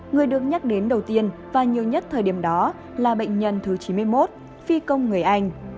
người được nhắc đến đầu tiên và nhiều nhất thời điểm đó là bệnh nhân thứ chín mươi một phi công người anh